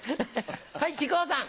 はい木久扇さん。